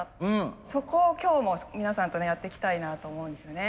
そこを今日皆さんとやっていきたいなと思うんですね。